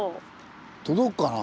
届くかな。